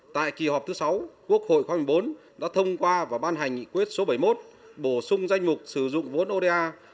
tại kỳ họp thứ sáu quốc hội khoa một mươi bốn đã thông qua và ban hành nghị quyết số bảy mươi một bổ sung danh mục sử dụng vốn oda